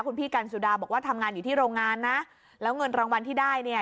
คุณพี่กันสุดาบอกว่าทำงานอยู่ที่โรงงานนะแล้วเงินรางวัลที่ได้เนี่ย